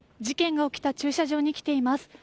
事件が起きた駐車場に来ています。